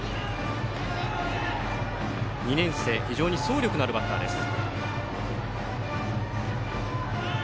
２年生、非常に走力のあるバッターです。